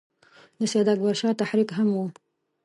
د سید اکبر شاه تحریک هم وو.